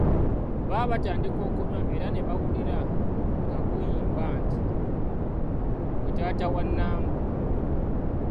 Baba batandika okunywa era nebawulira nga guyimba nti, “gwe taata wa Nambo?"